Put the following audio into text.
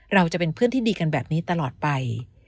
จะเป็นเพื่อนที่ดีกันแบบนี้ตลอดไป